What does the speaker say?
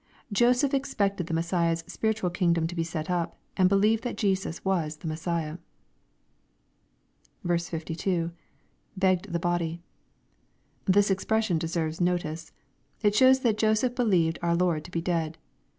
Joseph ex pected the Messiah's spiritual kingdom to be set up, and believed that Jesus was the Messiah. 52. — \Begged the hodyJ] This expression deserves notice. It shows that Joseph believed our Lord to be dead.